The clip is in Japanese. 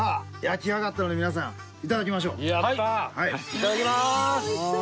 いただきます。